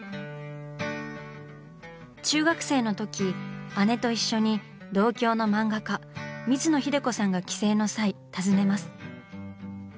中学生のとき姉と一緒に同郷の漫画家水野英子さんが帰省の際訪ねます。